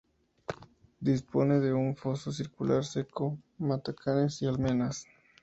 Dispone de un foso circular seco, matacanes y almenas.